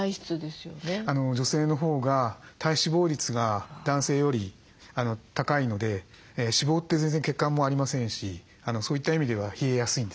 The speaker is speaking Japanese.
女性の方が体脂肪率が男性より高いので脂肪って全然血管もありませんしそういった意味では冷えやすいんです。